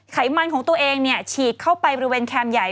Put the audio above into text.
ไขมันของตัวเองเนี่ยฉีกเข้าไปบริเวณแคมป์ใหญ่